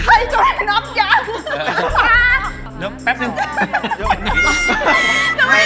โรงเรียน